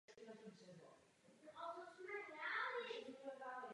Autorem projektu dostavby byl architekt německého původu Viktor Alexandrovič Hartmann.